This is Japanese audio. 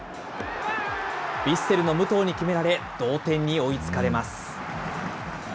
ヴィッセルの武藤に決められ、同点に追いつかれます。